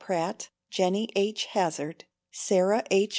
Pratt, Jennie H. Hazard, Sarah H.